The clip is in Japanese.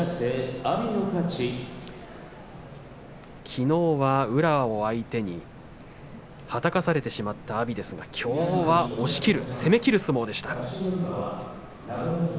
きのうは宇良を相手にはたかされてしまった阿炎ですがきょうは押しきる攻めきる相撲でした。